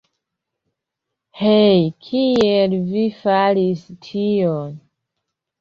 Hej, kial vi faris tion?